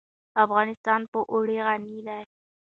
افغانستان په اوړي غني دی.